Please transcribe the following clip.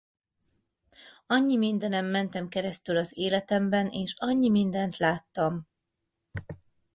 Annyi mindenen mentem keresztül az életemben és annyi mindent láttam.